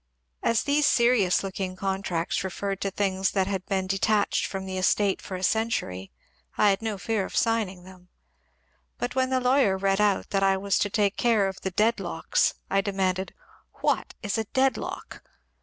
As these serious looking contracts referred to things that had been detached from the estate for a century, I had no fear of signing them ; but when the lawyer read out that I was to take care of the deadlocks I demanded, What is a deadlock?